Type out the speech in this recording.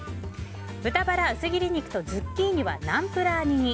豚バラ薄切り肉とズッキーニはナンプラー煮に。